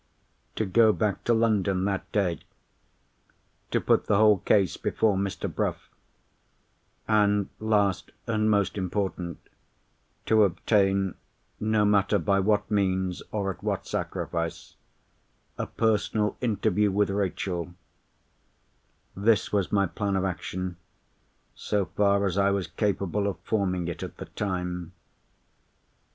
To go back to London that day; to put the whole case before Mr. Bruff; and, last and most important, to obtain (no matter by what means or at what sacrifice) a personal interview with Rachel—this was my plan of action, so far as I was capable of forming it at the time.